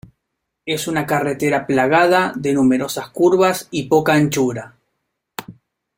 Es una carretera plagada de numerosas curvas y poca anchura.